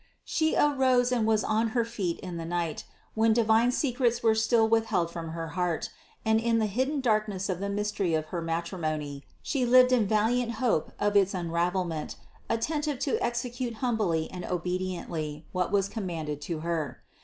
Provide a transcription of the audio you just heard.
She arose and was on her feet in the night, when divine secrets were still withheld from her heart; and in the hidden darkness of the mystery of her matrimony She lived in vigilant hope of its unravelment, attentive to execute humbly and obediently, whatever was commanded to Her.